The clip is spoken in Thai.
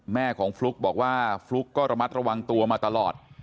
แม่ของฟลุ๊กบอกว่าฟลุ๊กก็ระมัดระวังตัวมาตลอด